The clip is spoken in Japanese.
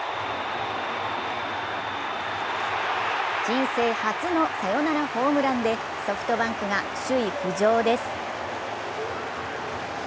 人生初のサヨナラホームランでソフトバンクが首位浮上です。